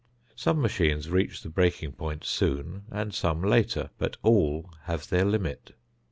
Some machines reach the breaking point soon and some later, but all have their limit.